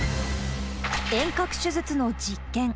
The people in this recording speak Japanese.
遠隔手術の実験。